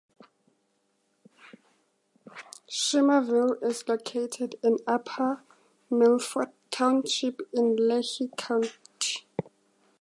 Shimerville is located in Upper Milford Township in Lehigh County.